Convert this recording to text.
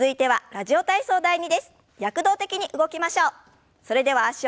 「ラジオ体操第２」。